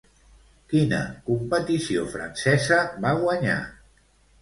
Quina competició francesa va guanyar?